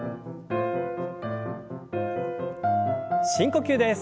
深呼吸です。